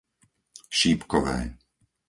Šípkové